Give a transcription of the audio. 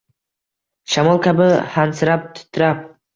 Shamol kabi hansirab, titrab